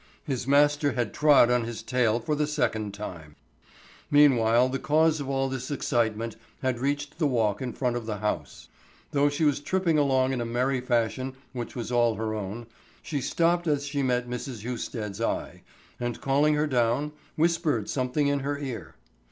His master had trod on his tail for the second time. Meanwhile the cause of all this excitement had reached the walk in front of the house. Though she was tripping along in a merry fashion which was all her own, she stopped as she met Mrs. Husted's eye, and, calling her down, whispered something in her ear.